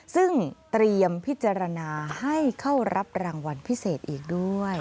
ซึ่งเตรียมพิจารณาให้เข้ารับรางวัลพิเศษอีกด้วย